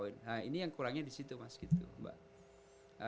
nah ini yang kurangnya disitu mas gitu mbak